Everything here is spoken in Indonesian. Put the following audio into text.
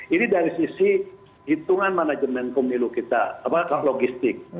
ini dari sisi hitungan manajemen pemilu kita logistik